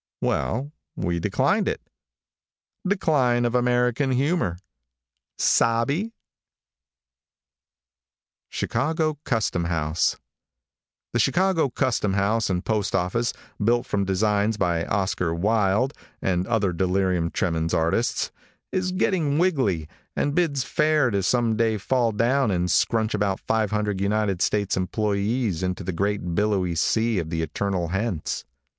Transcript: Well, we declined it. Decline of American humor. Sabe? CHICAGO CUSTOM HOUSE |THE Chicago custom house and post office, built from designs by Oscar Wild, and other delirum tremens artists, is getting wiggly, and bids fair to some day fall down and scrunch about 500 United States employes into the great billowy sea of the eternal hence.